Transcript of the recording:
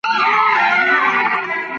موږ باید د خپلو ملي مشرانو درناوی وکړو.